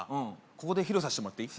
ここで披露さしてもらっていい？